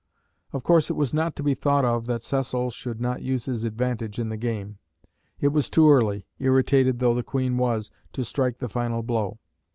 Of course it was not to be thought of that Cecil should not use his advantage in the game. It was too early, irritated though the Queen was, to strike the final blow.